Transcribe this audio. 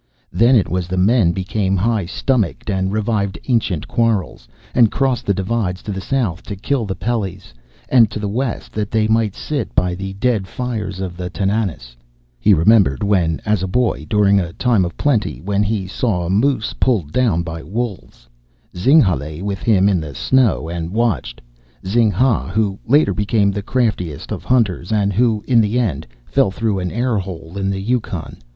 Then it was the men became high stomached, and revived ancient quarrels, and crossed the divides to the south to kill the Pellys, and to the west that they might sit by the dead fires of the Tananas. He remembered, when a boy, during a time of plenty, when he saw a moose pulled down by the wolves. Zing ha lay with him in the snow and watched Zing ha, who later became the craftiest of hunters, and who, in the end, fell through an air hole on the Yukon.